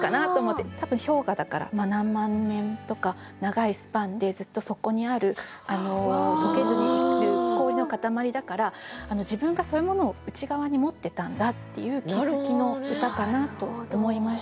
多分氷河だから何万年とか長いスパンでずっとそこにある解けずにいる氷の塊だから自分がそういうものを内側に持ってたんだっていう気付きの歌かなと思いました。